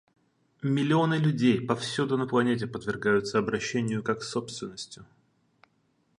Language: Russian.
Миллионы людей повсюду на планете подвергаются обращению как с собственностью.